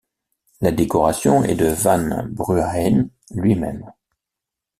La décoration est de Van Bruaene lui-même.